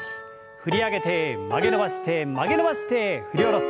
振り上げて曲げ伸ばして曲げ伸ばして振り下ろす。